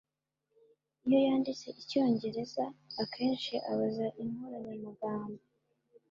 iyo yanditse icyongereza, akenshi abaza inkoranyamagambo